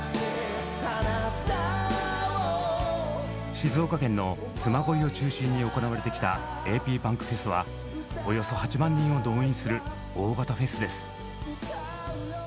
静岡県のつま恋を中心に行われてきたａｐｂａｎｋｆｅｓはおよそ８万人を動員する大型フェスです。